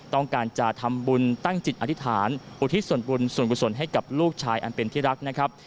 ต้องการจะทำบุญตั้งจิตอธิษฐานอุทิศส่วนบุญส่วนกุศลให้กับลูกชายอันเป็นที่รักนะครับ